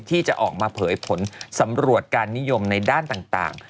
ที่จะออกมาเผยผลสำรวจการนิยมในด้านต่าง